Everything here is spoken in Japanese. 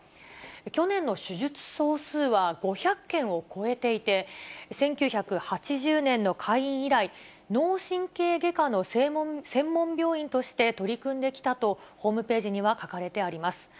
去年の手術総数は、５００件を超えていて、１９８０年の開院以来、脳神経外科の専門病院として取り組んできたと、ホームページには書かれてあります。